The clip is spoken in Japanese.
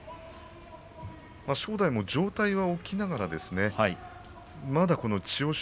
正代も状態は起きながらまだ千代翔